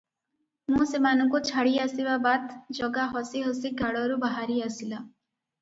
ମୁଁ ସେମାନଙ୍କୁ ଛାଡ଼ିଆସିବା ବାଦ୍ ଜଗା ହସି ହସି ଗାଡ଼ରୁ ବାହାରି ଆସିଲା!